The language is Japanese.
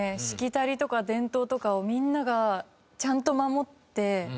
しきたりとか伝統とかをみんながちゃんと守って。